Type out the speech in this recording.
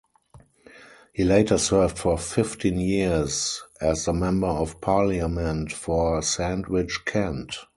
He later served for fifteen years as the member of parliament for Sandwich, Kent.